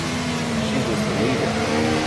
She was the leader.